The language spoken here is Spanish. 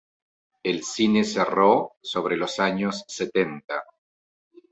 El cine cerró sobre los años setenta.